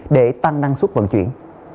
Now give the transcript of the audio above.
để tăng năng suất vận chuyển